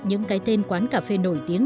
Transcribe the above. những cái tên quán cà phê nổi tiếng